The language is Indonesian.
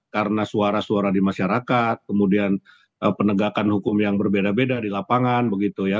karena suara suara di masyarakat kemudian penegakan hukum yang berbeda beda di lapangan begitu ya